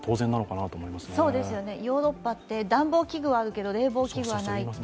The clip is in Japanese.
ヨーロッパって暖房器具はあるけど、冷房器具はない。